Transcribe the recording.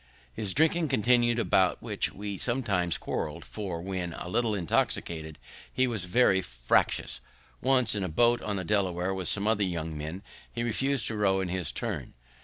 His drinking continu'd, about which we sometimes quarrel'd; for, when a little intoxicated, he was very fractious. Once, in a boat on the Delaware with some other young men, he refused to row in his turn.